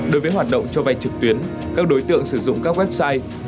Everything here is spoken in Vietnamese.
đối với hoạt động cho vay trực tuyến các đối tượng sử dụng các website